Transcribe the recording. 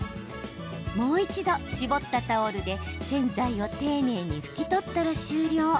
もう一度、絞ったタオルで洗剤を丁寧に拭き取ったら終了。